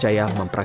masjid sunan giri